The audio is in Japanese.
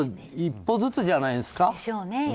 一歩ずつじゃないですか。